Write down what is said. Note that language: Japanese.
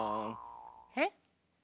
えっ？